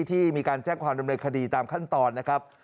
ที่มีการแจ้งความดำเนินคดีตามขั้นตอนนะครับ